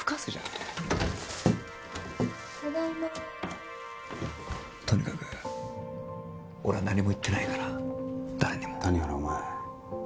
ただいまとにかく俺は何も言ってないから誰にも谷原お前